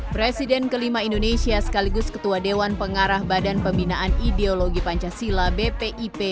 presiden kelima indonesia sekaligus ketua dewan pengarah badan pembinaan ideologi pancasila bpip